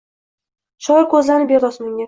Shoir ko’zlarini berdi osmonga.